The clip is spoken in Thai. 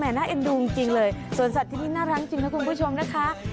น่าเอ็นดูจริงเลยสวนสัตว์ที่นี่น่ารักจริงนะคุณผู้ชมนะคะ